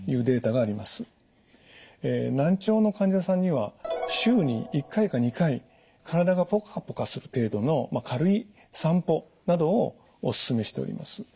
難聴の患者さんには週に１回か２回体がポカポカする程度の軽い散歩などをおすすめしております。